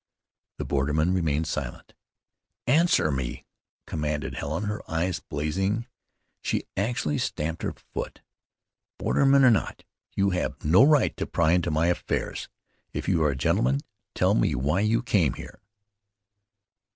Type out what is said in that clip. The borderman remained silent. "Answer me," commanded Helen, her eyes blazing. She actually stamped her foot. "Borderman or not, you have no right to pry into my affairs. If you are a gentleman, tell me why you came here?"